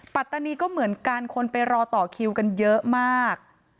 ปัตตานีก็เหมือนกันคนไปรอต่อคิวกันเยอะมาก